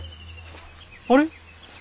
あれ？